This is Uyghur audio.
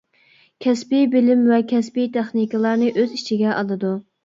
كەسپىي بىلىم ۋە كەسپىي تېخنىكىلارنى ئۆز ئىچىگە ئالىدۇ.